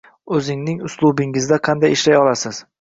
Oʻzingning uslubingizda qanday ishlay olasiz?